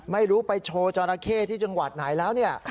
ไม่รู้ไปโชว์จราเข้ที่จังหวัดไหนแล้วเนี่ย